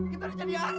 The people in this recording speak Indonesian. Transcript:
kita udah jadi orang